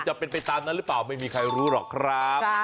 จะเป็นไปตามนั้นหรือเปล่าไม่มีใครรู้หรอกครับ